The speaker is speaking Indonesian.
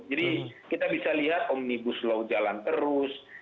jadi kita bisa lihat omnibus law jalan terus